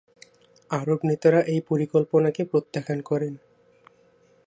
আরব নেতারা এই পরিকল্পনাকে প্রত্যাখ্যান করেন।